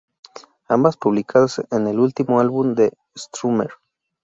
Ambas publicadas en el último álbum de Strummer.